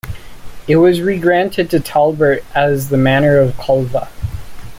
It was regranted to Talbot as the Manor of Calva.